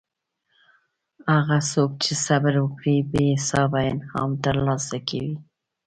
هغه څوک چې صبر وکړي بې حسابه انعام ترلاسه کوي.